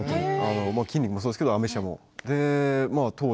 筋肉もそうですけどアメ車も。